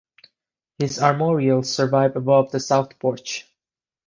His armorials survive above the south porch.